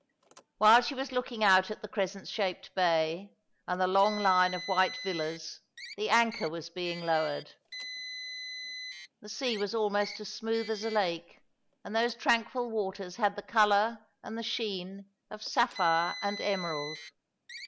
While she was looking out at the crescent shaped bay, and the long line of white villas, the anchor was being lowered. The sea was almost as smooth as a lake, and those tranquil waters had the colour and the sheen of sapphire and emerald.